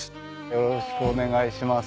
よろしくお願いします。